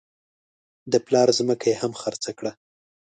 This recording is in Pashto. د پلار ځمکه یې هم خرڅه کړه.